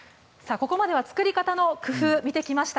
ここまでは作り方の工夫を見てきました。